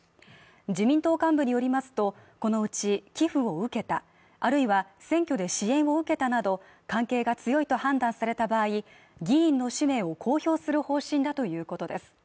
自民党幹部によりますとこのうち寄付を受けたあるいは選挙で支援を受けたなど関係が強いと判断された場合人の氏名を公表する方針だということです